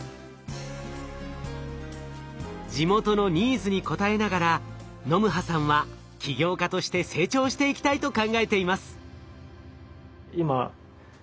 地元のニーズに応えながらノムハさんは起業家として成長していきたいと考えています。